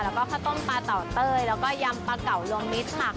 แล้วก็ข้าวต้มปลาเต่าเต้ยแล้วก็ยำปลาเก่าลวงมิตรค่ะ